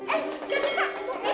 eh jatuh pak